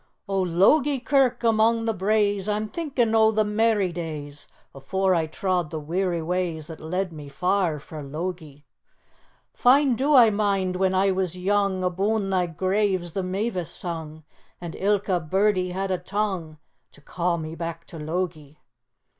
"O Logie Kirk, among the braes I'm thinkin' o' the merry days Afore I trod the weary ways That led me far frae Logie. "Fine do I mind when I was young, Abune thy graves the mavis sung, And ilka birdie had a tongue To ca' me back to Logie.